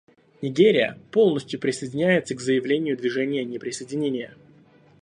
Нигерия полностью присоединяется к заявлению Движения неприсоединения.